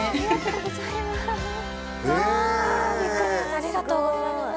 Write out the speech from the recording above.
ありがとうございますうわ